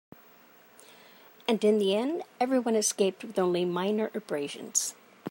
And in the end, everyone escaped with only minor abrasions.